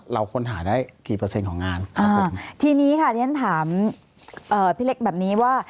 เราค้นหาได้กี่เปอร์เซ็นต์ของงานครับผมทีนี้ค่ะที่ฉันถามพี่เล็กแบบนี้ว่า